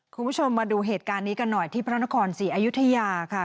คุณผู้ชมมาดูเหตุการณ์นี้กันหน่อยที่พระนครศรีอยุธยาค่ะ